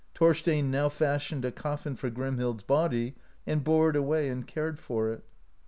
Thorstein now fashioned a coffin for Grimhild's body, and bore it away, and cared for it.